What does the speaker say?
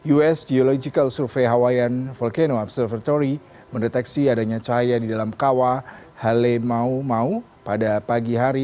us geological survey hawaian volcano observertory mendeteksi adanya cahaya di dalam kawa hali mau mau pada pagi hari